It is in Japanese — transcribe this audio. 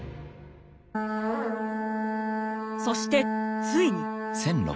そしてついに。